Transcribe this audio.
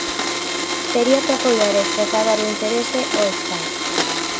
Tería que apoiar e trasladar o interese ao Estado.